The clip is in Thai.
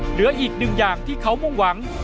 เหลืออีกหนึ่งอย่างที่เขามุ่งหวัง